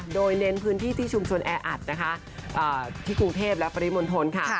โดยเน้นพื้นที่ที่ชุมชนแออัดนะคะที่กรุงเทพและปริมณฑลค่ะ